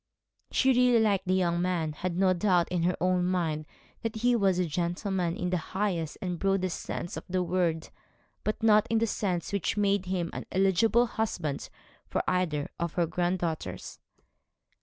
She really liked the young man, had no doubt in her own mind that he was a gentleman in the highest and broadest sense of the word, but not in the sense which made him an eligible husband for either of her granddaughters.